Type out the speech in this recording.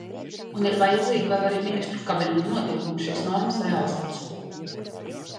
Un ir vajadzīgi vēl arī Ministru kabineta noteikumi šīs normas realizācijai.